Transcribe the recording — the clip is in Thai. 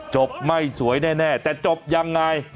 ไม่สวยแน่แต่จบยังไง